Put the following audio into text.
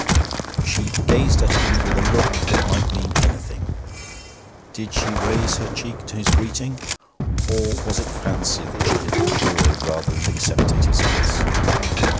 She gazed at him with a look that might mean anything. Did she raise her cheek to his greeting, or was it fancy that she had endured, rather than accepted, his kiss?